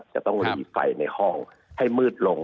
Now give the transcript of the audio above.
จะต้องรีบไฟในห้องให้มืดลง